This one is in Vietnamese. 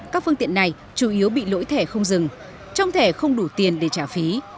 các phương tiện này chủ yếu bị lỗi thẻ không dừng trong thẻ không đủ tiền để trả phí